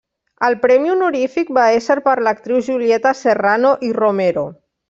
El premi honorífic va ésser per l'actriu Julieta Serrano i Romero.